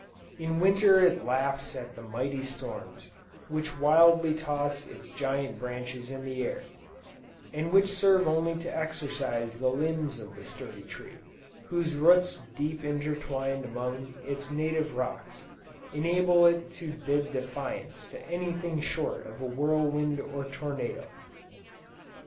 In Winter it laughs at the mighty storms, which wildly toss its giant branches in the air, and which serve only to exercise the limbs of the sturdy tree, whose roots deep intertwined among its native rocks, enable it to bid defiance to anything short of a whirlwind or tornado.